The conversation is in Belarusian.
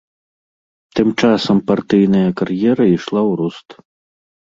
Тым часам партыйная кар'ера ішла ў рост.